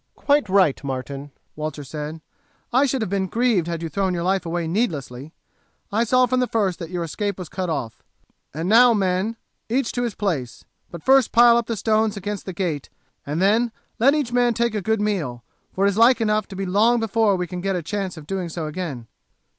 "Quite right, Martin!" Walter said. "I should have been grieved had you thrown your life away needlessly. I saw from the first that your escape was cut off. And now, men, each to his place; but first pile up the stones against the gate, and then let each man take a good meal, for it is like enough to be long before we get a chance of doing so again."